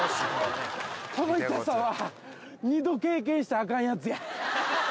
この痛さは２度経験したらあかんやつや。